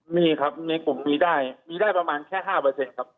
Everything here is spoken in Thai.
มีครับกุลมองกิได้มีได้ประมาณแค่๕ครับ